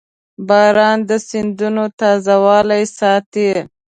• باران د سیندونو تازهوالی ساتي.